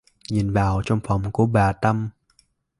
Nhìn vào trong phòng của bà tâm